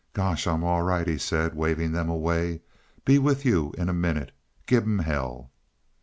"Gosh, I'm all right," he said, waving them away. "Be with you in a minute; give 'em hell!"